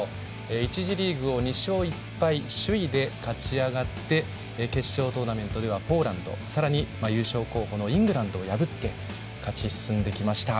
１次リーグを２勝１敗首位で勝ち上がって決勝トーナメントではポーランドそして優勝候補のイングランドを破って勝ち進んできました。